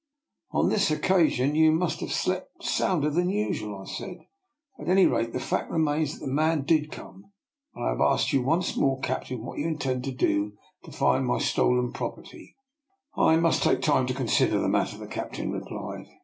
'* On this occasion you must have slept sounder than usual," I said. " At any rate the fact remains that the man did come; and I have to ask you once more, captain, what do you intend to do to find my stolen prop erty?" " I must take time to consider the mat ter," the captain replied.